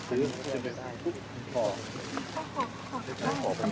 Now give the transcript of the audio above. ใช่หรือเปล่าครับแต่ยุ่มนะครับ